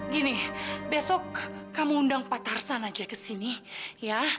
gini besok kamu undang pak tarsan aja ke sini ya